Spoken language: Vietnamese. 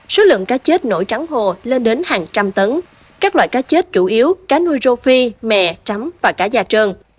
số lượng cá chết nổi trắng hồ lên đến hàng trăm tấn các loại cá chết chủ yếu cá nuôi rô phi mẹ trắm và cá da trơn